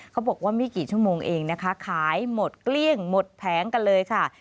เขาบอกว่าไม่กี่ชั่วโมงเองนะคะขายหมดเกลี้ยงหมดแผงกันเลยค่ะ